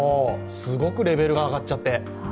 すごくレベルが上がっちゃって。